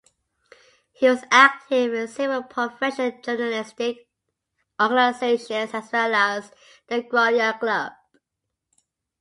He was active in several professional journalistic organizations as well as the Grolier Club.